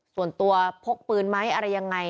ส่วนตัวพกปืนไหมอะไรยังไง